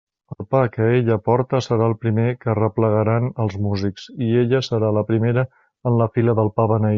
El pa que ella porta serà el primer que arreplegaran els músics, i ella serà la primera en la fila del pa beneit.